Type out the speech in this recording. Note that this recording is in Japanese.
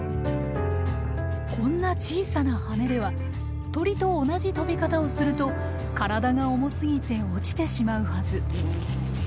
こんな小さな羽では鳥と同じ飛び方をすると体が重すぎて落ちてしまうはず。